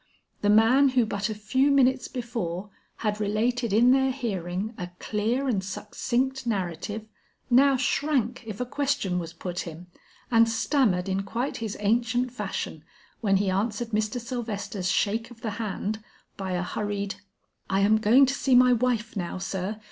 The man who but a few minutes before had related in their hearing a clear and succinct narrative, now shrank if a question was put him, and stammered in quite his ancient fashion, when he answered Mr. Sylvester's shake of the hand, by a hurried: "I am going to see my wife now, sir.